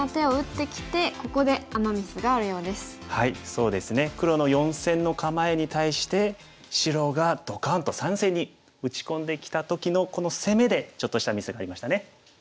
そうですね黒の４線の構えに対して白がドカンと３線に打ち込んできた時のこの攻めでちょっとしたミスがありましたね。